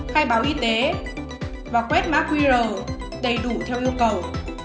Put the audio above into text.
khai báo y tế và quét mã qr đầy đủ theo yêu cầu